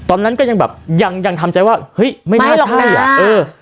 ตอนนั้นก็ยังแบบยังยังทำใจว่าเฮ้ยไม่น่าใช่อ่ะเออ